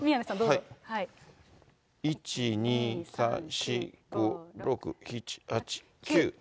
１、２、３、４、５、６、７、８、９。